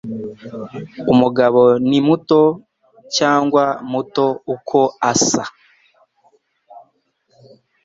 Umugabo ni muto cyangwa muto uko asa.